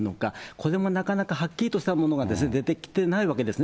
これもなかなかはっきりとしたものが出てきてないわけですね。